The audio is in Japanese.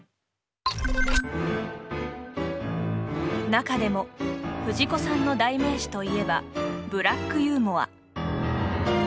中でも藤子さんの代名詞といえば「ブラックユーモア」。